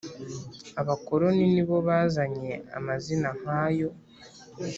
Abakoroni nibo bazanye amazina nkayo